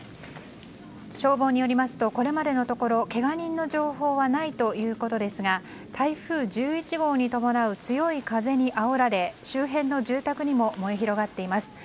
消防によりますとこれまでのところけが人の情報はないということですが台風１１号に伴う強い風にあおられ周辺の住宅にも燃え広がっています。